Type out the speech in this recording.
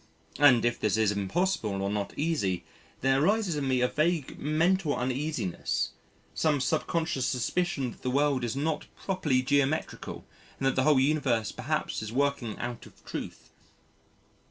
And if this is impossible or not easy, there arises in me a vague mental uneasiness, some subconscious suspicion that the world is not properly geometrical and that the whole universe perhaps is working out of truth.